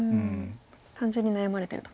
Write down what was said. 単純に悩まれてると。